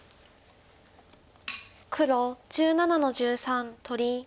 黒１７の十三取り。